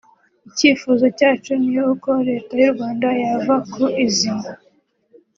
Icyifuzo cyacu ni uko Leta y’u Rwanda yava ku izima